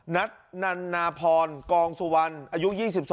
นัทนันนาพรกองสุวรรณอายุ๒๒